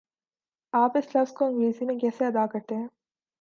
آپ اس لفظ کو انگریزی میں کیسے ادا کرتےہیں؟